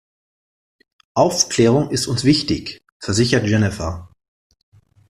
Aufklärung ist uns wichtig, versichert Jennifer.